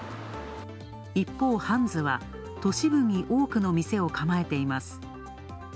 一方、ハンズは都市部に多くの店を構えています。